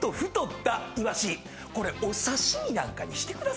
これお刺し身なんかにしてください。